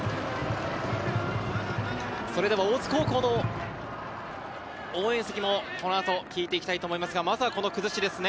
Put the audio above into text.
大津高校の応援席もこのあと聞いていきたいと思いますが、まずはこの崩しですね。